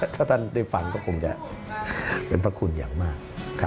ถ้าท่านได้ฟังก็คงจะเป็นพระคุณอย่างมาก